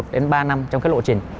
một đến ba năm trong cái lộ trình